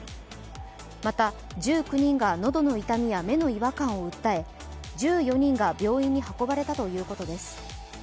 また１９人が喉の痛みや目の違和感を訴え１４人が病院に運ばれたということです。